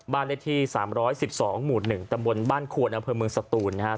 บ้านในที่สามร้อยสิบสองหมู่หนึ่งตั้งบนบ้านครัวน้ำพื้นเมืองศตูลไงฮะ